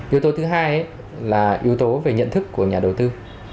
yếu tố thứ hai là yếu tố về nhận thức của nhà đầu tư